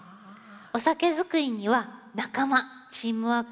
お酒造りには仲間チームワーク